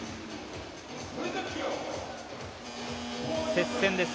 接戦です。